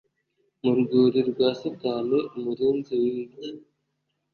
mu rwuri rwa satani umurinzi wibye,